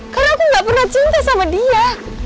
karena aku gak pernah cinta sama dia